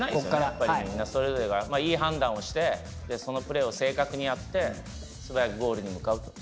やっぱりみんなそれぞれがいい判断をしてそのプレーを正確にやって素早くゴールに向かうと。